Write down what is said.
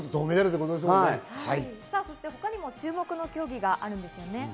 他にも注目の競技があるんですよね。